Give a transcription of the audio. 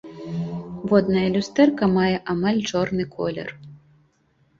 Воднае люстэрка мае амаль чорны колер.